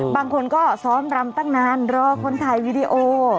บางคนก็ซ้อมรำตั้งนานรอคนถ่ายวีดีโอ